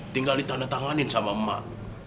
tinggal ditandatangani sama emak